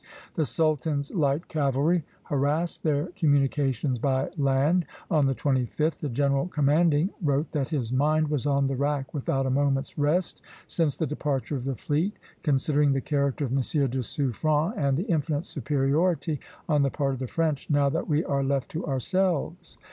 The sultan's light cavalry harassed their communications by land. On the 25th, the general commanding wrote that his "mind was on the rack without a moment's rest since the departure of the fleet, considering the character of M. de Suffren, and the infinite superiority on the part of the French now that we are left to ourselves."